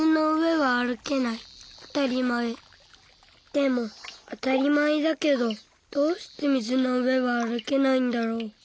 でもあたりまえだけどどうして水の上は歩けないんだろう。